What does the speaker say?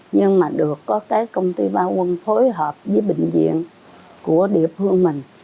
nhưng mà được có công ty ba quân phối hợp với bệnh viện của địa phương mình